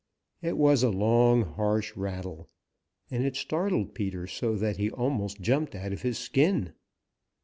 It was a long, harsh rattle, and it startled Peter so that he almost jumped out of his skin.